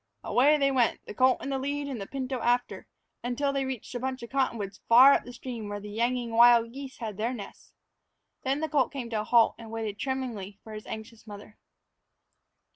Away they went, the colt in the lead and the pinto after, until they reached the bunch of cottonwoods far up the stream where the yanging wild geese had their nests. Then the colt came to a halt and waited tremblingly for his anxious mother.